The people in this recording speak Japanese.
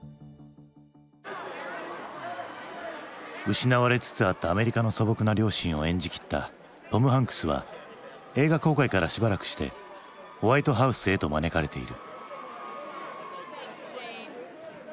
失われつつあったアメリカの素朴な良心を演じきったトム・ハンクスは映画公開からしばらくしてホワイトハウスへと招かれている。